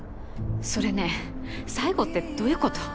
それね最後ってどういうこと？